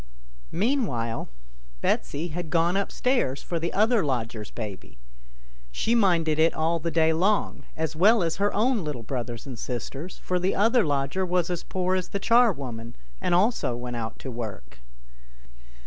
Meanwhile Betsy had gone upstairs for the other lodger's baby. She minded it all the day long, as well as her own little brothers and sisters, for the other lodger was as poor as the charwoman, and also went out to work.